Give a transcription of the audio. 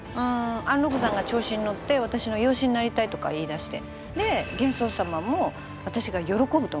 安禄山が調子に乗って私の養子になりたいとか言いだしてで玄宗様も私が喜ぶと思ったみたいね。